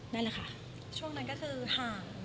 นั่นละค่ะ